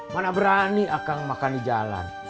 mana berani akan makan di jalan